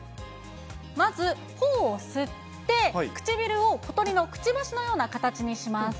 まず、ほおを吸って、唇を小鳥のくちばしのような形にします。